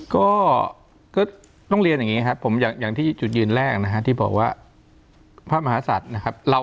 ก็ต้องเรียนอย่างนี้ครับผมอย่างที่จุดยืนแรกนะฮะที่บอกว่าพระมหาศัตริย์นะครับ